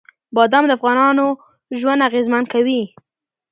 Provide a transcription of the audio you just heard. بادام د افغانانو ژوند اغېزمن کوي.